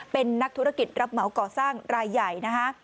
เป็นนักธุรกิจรับเหมาก่อสร้างรายใหญ่นะคะ